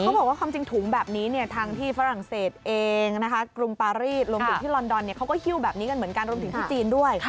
บอกว่าความจริงถุงแบบนี้ทางที่ฝรั่งเศสเองนะคะกรุงปารีสรวมถึงที่ลอนดอนเขาก็ฮิ้วแบบนี้กันเหมือนกันรวมถึงที่จีนด้วย